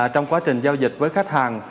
trong quá trình giao dịch với khách hàng